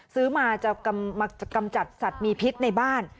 ซื้อมาจะมากำจัดสัตว์มีพิษในบ้าน